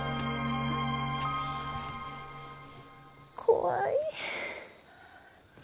怖い。